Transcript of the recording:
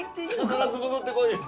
必ず戻ってこいよ。